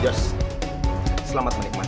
yes selamat menikmati kulit anak